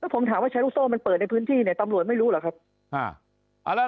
ผมถามว่าใช้ลูกโซ่มันเปิดในพื้นที่เนี่ยตำรวจไม่รู้เหรอครับ